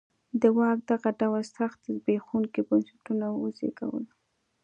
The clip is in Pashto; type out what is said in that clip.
د واک دغه ډول سخت زبېښونکي بنسټونه وزېږول.